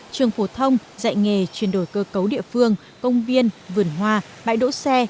trường phổ thông dạy nghề chuyển đổi cơ cấu địa phương công viên vườn hoa bãi đỗ xe